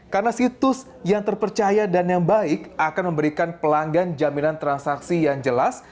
karena situs yang terpercaya dan yang baik akan memberikan pelanggan jaminan transaksi yang jelas